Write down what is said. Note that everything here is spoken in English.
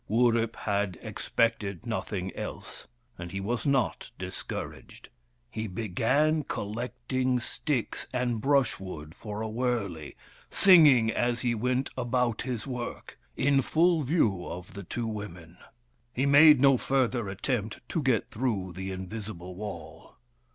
Wurip had expected nothing else, and he was not discouraged. He began collecting sticks and brushwood for a wurley, singing as he went about his work, in full view of the two women. He made no further attempt to get through the invisible wall.